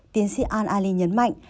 tiến sĩ al ali nhấn mạnh